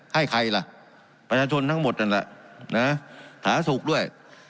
ให้ใครล่ะประชาชนทั้งหมดนั่นแหละนะฮะถาศุกร์ด้วย